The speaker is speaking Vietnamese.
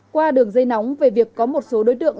qua đường dây nóng về việc có một số đối tượng